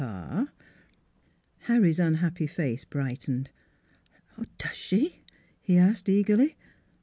Harry's unhappy face brightened. " Does she ?" he asked eagerly.